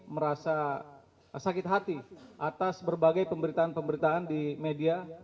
merasa sakit hati atas berbagai pemberitaan pemberitaan di media